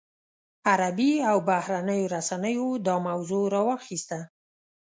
عربي او بهرنیو رسنیو دا موضوع راواخیسته.